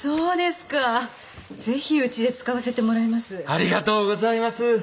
ありがとうございます。